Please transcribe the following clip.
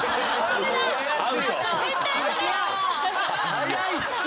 早いって！